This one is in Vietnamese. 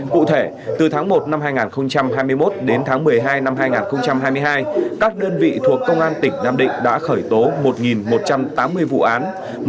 cụ thể từ tháng một năm hai nghìn hai mươi một đến tháng một mươi hai năm hai nghìn hai mươi hai các đơn vị thuộc công an tỉnh nam định đã khởi tố một một trăm tám mươi vụ án